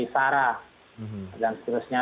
sara dan seterusnya